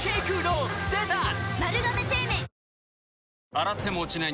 洗っても落ちない